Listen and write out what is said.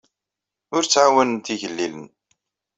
Ur ttɛawanent igellilen.